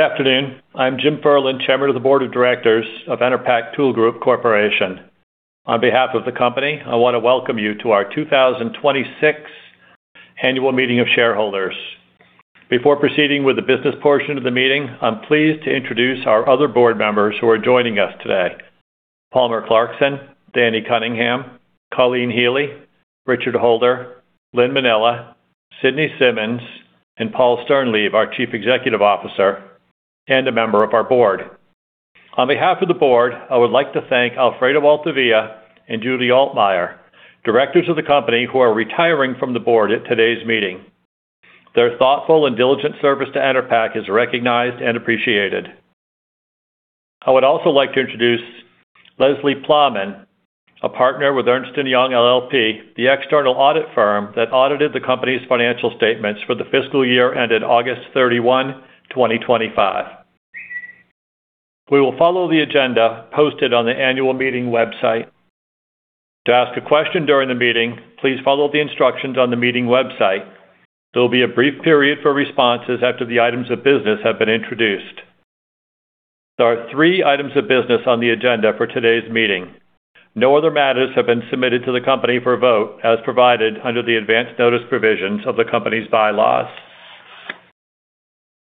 Good afternoon. I'm Jim Ferland, Chairman of the Board of Directors of Enerpac Tool Group Corporation. On behalf of the company, I wanna welcome you to our 2026 Annual Meeting of Shareholders. Before proceeding with the business portion of the meeting, I'm pleased to introduce our other board members who are joining us today. Palmer Clarkson, Danny Cunningham, Colleen Healy, Richard Holder, Lynn Minella, Sidney Simmons, and Paul Sternlieb, our Chief Executive Officer and a member of our board. On behalf of the board, I would like to thank Alfredo Altavilla and Judy Altmaier, directors of the company, who are retiring from the board at today's meeting. Their thoughtful and diligent service to Enerpac is recognized and appreciated. I would also like to introduce Leslie Plamann, a partner with Ernst & Young LLP, the external audit firm that audited the company's financial statements for the fiscal year ended August 31, 2025. We will follow the agenda posted on the annual meeting website. To ask a question during the meeting, please follow the instructions on the meeting website. There will be a brief period for responses after the items of business have been introduced. There are three items of business on the agenda for today's meeting. No other matters have been submitted to the company for a vote, as provided under the advance notice provisions of the company's bylaws.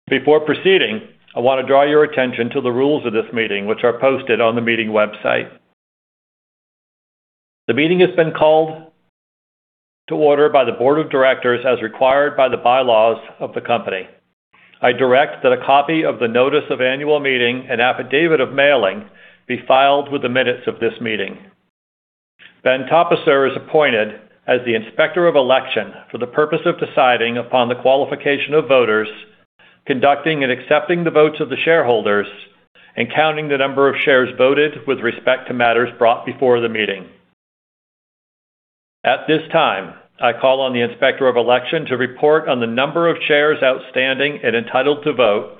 Before proceeding, I want to draw your attention to the rules of this meeting, which are posted on the meeting website. The meeting has been called to order by the board of directors, as required by the bylaws of the company. I direct that a copy of the Notice of Annual Meeting and Affidavit of Mailing be filed with the minutes of this meeting. Ben Topercer is appointed as the Inspector of Election for the purpose of deciding upon the qualification of voters, conducting and accepting the votes of the shareholders, and counting the number of shares voted with respect to matters brought before the meeting. At this time, I call on the Inspector of Election to report on the number of shares outstanding and entitled to vote,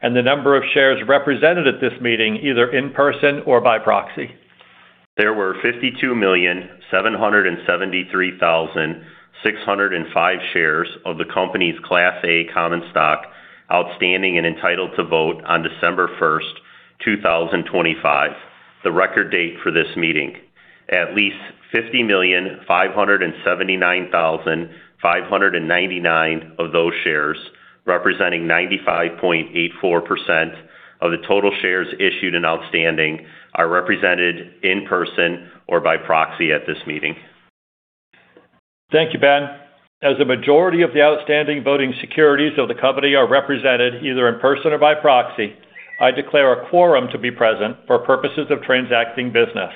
and the number of shares represented at this meeting, either in person or by proxy. There were 52,773,605 shares of the company's Class A common stock outstanding and entitled to vote on December 1, 2025, the record date for this meeting. At least 50,579,599 of those shares, representing 95.84% of the total shares issued and outstanding, are represented in person or by proxy at this meeting. Thank you, Ben. As a majority of the outstanding voting securities of the company are represented either in person or by proxy, I declare a quorum to be present for purposes of transacting business.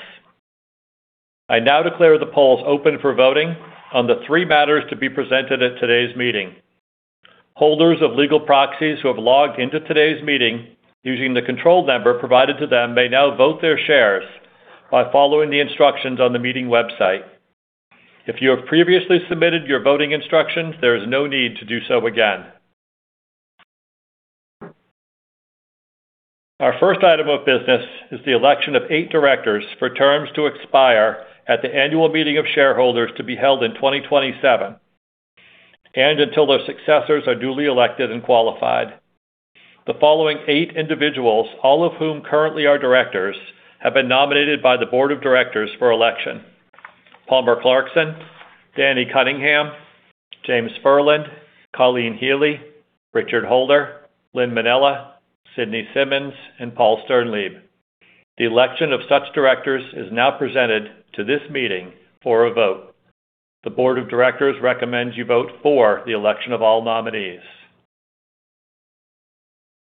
I now declare the polls open for voting on the three matters to be presented at today's meeting. Holders of legal proxies who have logged into today's meeting using the control number provided to them may now vote their shares by following the instructions on the meeting website. If you have previously submitted your voting instructions, there is no need to do so again. Our first item of business is the election of eight directors for terms to expire at the annual meeting of shareholders to be held in 2027, and until their successors are duly elected and qualified. The following eight individuals, all of whom currently are directors, have been nominated by the board of directors for election: Palmer Clarkson, Danny Cunningham, James Ferland, Colleen Healy, Richard Holder, Lynn Minella, Sidney Simmons, and Paul Sternlieb. The election of such directors is now presented to this meeting for a vote. The board of directors recommends you vote for the election of all nominees.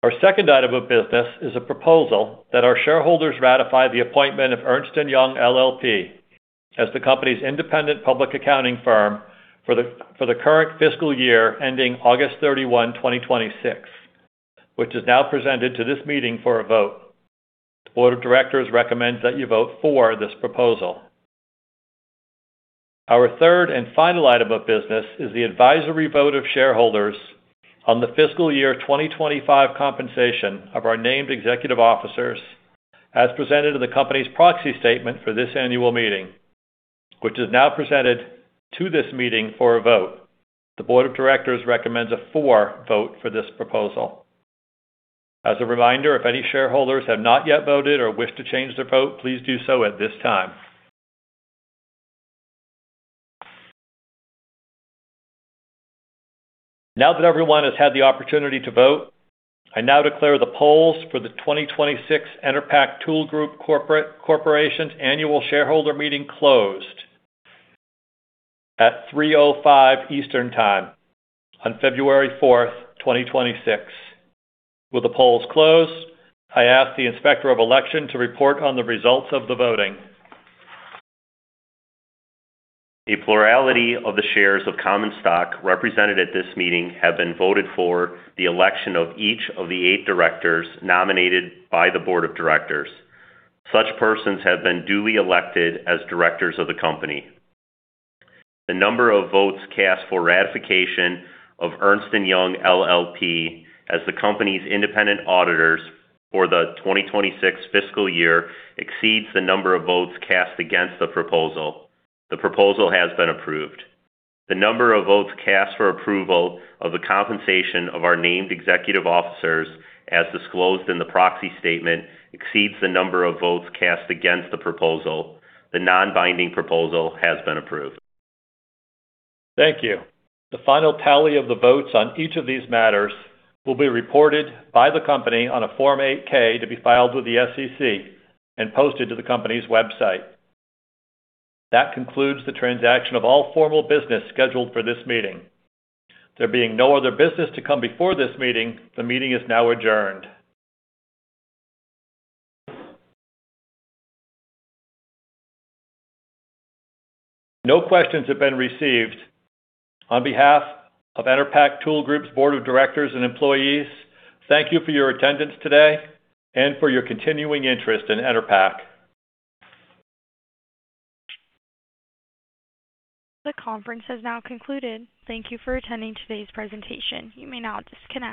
Our second item of business is a proposal that our shareholders ratify the appointment of Ernst & Young LLP as the company's independent public accounting firm for the current fiscal year, ending August 31, 2026, which is now presented to this meeting for a vote. The board of directors recommends that you vote for this proposal. Our third and final item of business is the advisory vote of shareholders on the fiscal year 2025 compensation of our named executive officers, as presented to the company's proxy statement for this annual meeting, which is now presented to this meeting for a vote. The board of directors recommends a "for" vote for this proposal. As a reminder, if any shareholders have not yet voted or wish to change their vote, please do so at this time. Now that everyone has had the opportunity to vote, I now declare the polls for the 2026 Enerpac Tool Group Corporation's annual shareholder meeting closed at 3:05 P.M. Eastern Time on February 4, 2026. With the polls closed, I ask the Inspector of Election to report on the results of the voting. A plurality of the shares of common stock represented at this meeting have been voted for the election of each of the eight directors nominated by the board of directors. Such persons have been duly elected as directors of the company. The number of votes cast for ratification of Ernst & Young LLP as the company's independent auditors for the 2026 fiscal year, exceeds the number of votes cast against the proposal. The proposal has been approved. The number of votes cast for approval of the compensation of our named executive officers, as disclosed in the proxy statement, exceeds the number of votes cast against the proposal. The non-binding proposal has been approved. Thank you. The final tally of the votes on each of these matters will be reported by the company on a Form 8-K to be filed with the SEC and posted to the company's website. That concludes the transaction of all formal business scheduled for this meeting. There being no other business to come before this meeting, the meeting is now adjourned. No questions have been received. On behalf of Enerpac Tool Group's board of directors and employees, thank you for your attendance today and for your continuing interest in Enerpac. The conference has now concluded. Thank you for attending today's presentation. You may now disconnect.